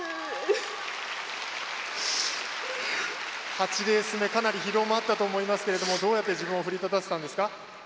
８レース目かなり疲労があったと思いますがどうやって自分を奮い立たせたんですか？